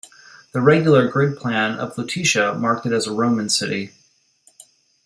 The regular grid-plan of Lutetia marked it as a Roman city.